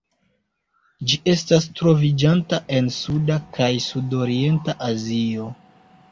Ĝi estas troviĝanta en Suda kaj Sudorienta Azio.